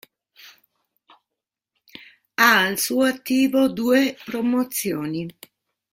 Ha al suo attivo due promozioni.